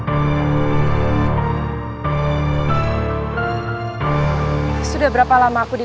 aku nanti ga mau nampak lagi